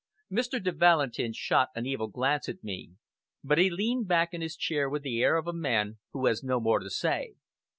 Mr. de Valentin shot an evil glance at me, but he leaned back in his chair with the air of a man who has no more to say.